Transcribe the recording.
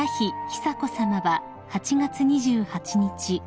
久子さまは８月２８日